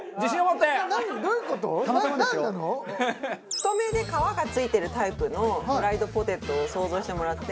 太めで皮が付いてるタイプのフライドポテトを想像してもらって。